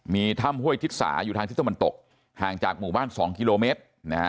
มีถ้ำห้วยทิศสาอยู่ทางทิศตะวันตกห่างจากหมู่บ้าน๒กิโลเมตร